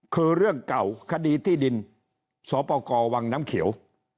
คือเรื่องเก่าคดีที่ดินสปกรวังน้ำเขียว